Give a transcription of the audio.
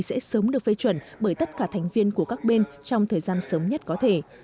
sẽ sớm được phê chuẩn bởi tất cả thành viên của các bên trong thời gian sớm nhất có thể